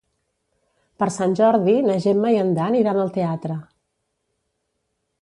Per Sant Jordi na Gemma i en Dan iran al teatre.